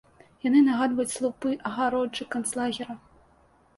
Яны нагадваюць слупы агароджы канцлагера.